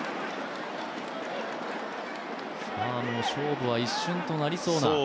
勝負は一瞬となりそうな